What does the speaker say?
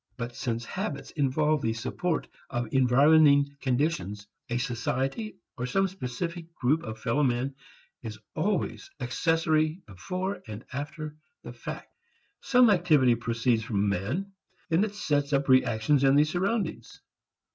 But since habits involve the support of environing conditions, a society or some specific group of fellow men, is always accessory before and after the fact. Some activity proceeds from a man; then it sets up reactions in the surroundings.